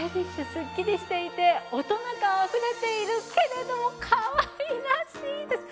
すっきりしていて大人感あふれているけれどもかわいらしいです！